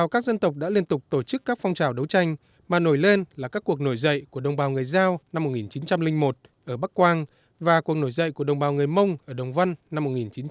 các dân tộc đã liên tục tổ chức các phong trào đấu tranh mà nổi lên là các cuộc nổi dậy của đồng bào người giao năm một nghìn chín trăm linh một ở bắc quang và cuộc nổi dậy của đồng bào người mông ở đồng văn năm một nghìn chín trăm bảy mươi